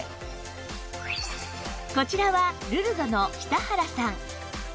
こちらはルルドの北原さん